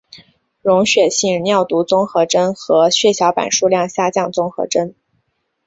溶血性尿毒综合征和血小板数量下降综合征。